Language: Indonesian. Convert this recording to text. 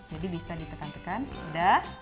jadi bisa ditekan tekan udah